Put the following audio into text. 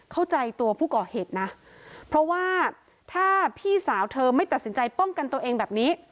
เข้าใจตัวผู้ก่อเหตุนะเพราะว่าถ้าพี่สาวเธอไม่ตัดสินใจป้องกันตัวเองแบบนี้